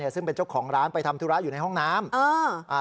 ซึ่งเป็นเจ้าของร้านไปทำธุระอยู่ในห้องน้ำ